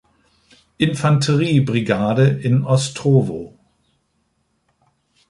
Infanterie-Brigade in Ostrowo.